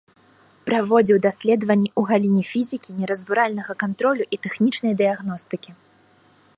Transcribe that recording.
Праводзіў даследаванні ў галіне фізікі неразбуральнага кантролю і тэхнічнай дыягностыкі.